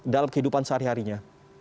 dalam kehidupan sehari harinya